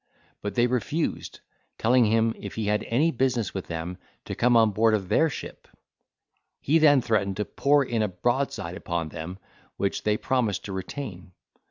but they refused, telling him, if he had any business with them, to come on board of their ship: he then threatened to pour in a broadside upon them, which they promised to retain.